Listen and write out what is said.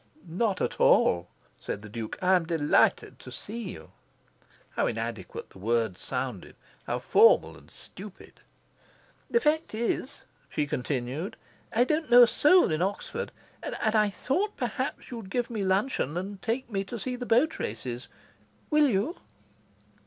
"Not at all," said the Duke. "I am delighted to see you." How inadequate the words sounded, how formal and stupid! "The fact is," she continued, "I don't know a soul in Oxford. And I thought perhaps you'd give me luncheon, and take me to see the boat races. Will you?"